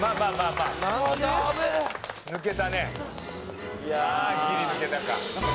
まあギリ抜けたか。